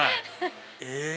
え？